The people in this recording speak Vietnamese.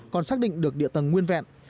còn xác định được địa tầng nguyên vẹn